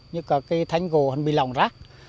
như cả cái thanh cổ hẳn bị lỏng rác